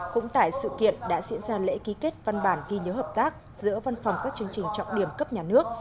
cũng tại sự kiện đã diễn ra lễ ký kết văn bản ghi nhớ hợp tác giữa văn phòng các chương trình trọng điểm cấp nhà nước